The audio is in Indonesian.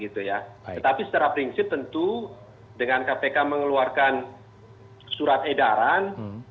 tetapi secara prinsip tentu dengan kpk mengeluarkan surat edaran